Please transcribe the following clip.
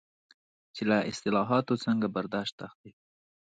چې له اصطلاحاتو څنګه برداشت اخلي.